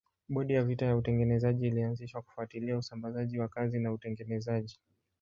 Bodi ya vita ya utengenezaji ilianzishwa kufuatilia usambazaji wa kazi na utengenezaji.